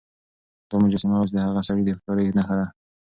دا مجسمه اوس د هغه سړي د هوښيارۍ نښه ده.